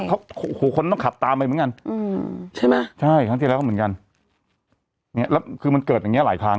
ไม่ต้องขับตามไปเหมือนกันใช่ไหมใช่ทางทีแล้วเหมือนกันแล้วก็คือมันเกิดอย่างเนี้ยหลายครั้ง